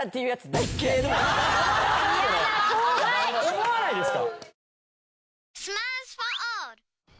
思わないですか？